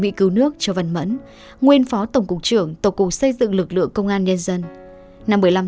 bị cứu nước cho văn mẫn nguyên phó tổng cục trưởng tổ cụ xây dựng lực lượng công an nhân dân năm một mươi năm